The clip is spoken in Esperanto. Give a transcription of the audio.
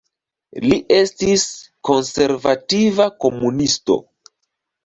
Li estis konservativa komunisto.